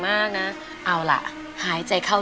และเอาตัวจริงอีกสินะ